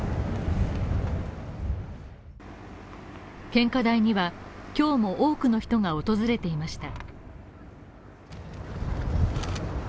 献花台には今日も多くの人が訪れていました。